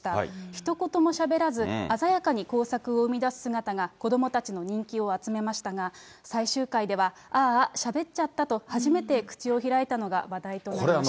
ひと言もしゃべらず、鮮やかに工作を生み出す姿が、子どもたちの人気を集めましたが、最終回では、あーあ、しゃべっちゃったと、初めて口を開いたのが話題となりました。